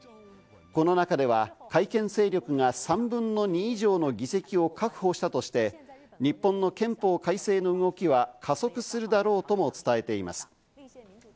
この中では改憲勢力が３分の２以上の議席を確保したとして、日本の憲法改正の動きは加速するだろうとも伝えています。